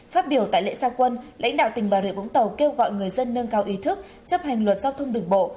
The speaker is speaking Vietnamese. phát biểu tại lễ gia quân lãnh đạo tỉnh bà rịa vũng tàu kêu gọi người dân nâng cao ý thức chấp hành luật giao thông đường bộ